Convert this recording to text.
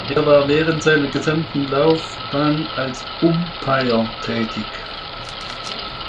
Er war während seiner gesamten Laufbahn als Umpire tätig.